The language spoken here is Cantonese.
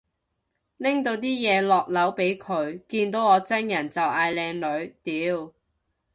拎到啲嘢落樓俾佢，見到我真人就嗌靚女，屌